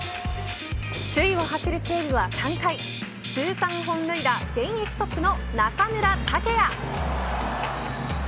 首位を走る西武は３回通算本塁打現役トップの中村剛也。